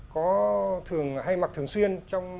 có thường hay mặc thường xuyên